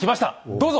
どうぞ！